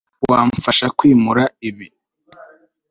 Wamfasha kwimura ibi